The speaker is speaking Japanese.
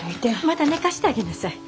まだ寝かしてあげなさい。